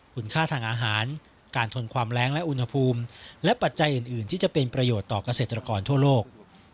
คุณค่าทางอาหารการทนความแรงและอุณหภูมิและปัจจัยอื่นที่จะเป็นประโยชน์ต่อเกษตรกรทั่วโลก